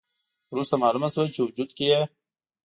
وروسته مالومه شوه چې وجود کې یې